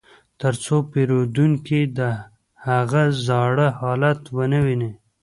ترڅو پیرودونکي د هغه زاړه حالت ونه ویني